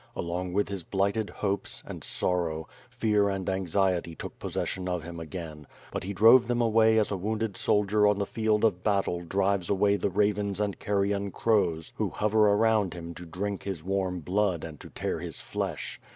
Along with his blighted hopes, and sorrow, fear and anxiety took possession of him again, but he drove them away as a wounded soldier on the field of battle drives away the ravens and carrion crows who hover around him to drink his warm blood and to tear his flesh.